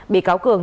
bị cáo cường